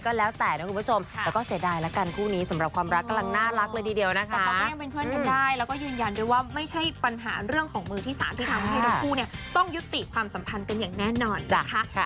ผมว่าจริงแล้วมันก็แล้วแต่มึงมองคนน้องแต่ว่ามันก็เป็นสิ่งที่ดีไม่ใช่ละครับ